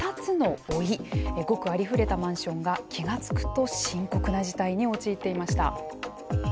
ごくありふれたマンションが気が付くと深刻な事態に陥っていました。